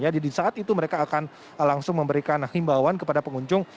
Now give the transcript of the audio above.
jadi saat itu mereka akan langsung memberikan himbauan kepada pengunjung